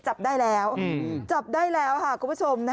จับได้แล้วจับได้แล้วค่ะคุณผู้ชม